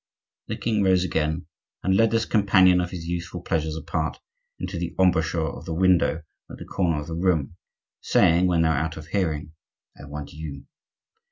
The king rose again and led this companion of his youthful pleasures apart into the embrasure of the window at the corner of the room, saying, when they were out of hearing:— "I want you.